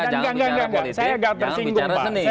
jangan bicara politik jangan bicara seni